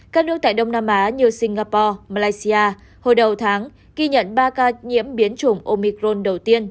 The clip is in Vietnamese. các nước tại đông nam á như singapore malaysia hồi đầu tháng ghi nhận ba ca nhiễm biến chủng omicron đầu tiên